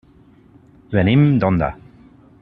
Venim d'Onda.